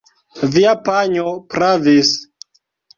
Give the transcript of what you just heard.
Via panjo pravis.